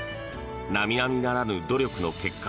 並々ならぬ努力の結果